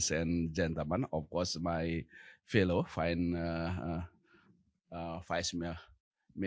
saya ingin mengucapkan terima kasih kepada bapak peri warjio